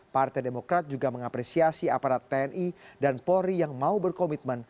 partai demokrat juga mengapresiasi aparat tni dan polri yang mau berkomitmen